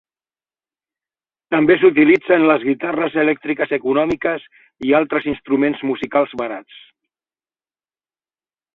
També s'utilitza en les guitarres elèctriques econòmiques i altres instruments musicals barats.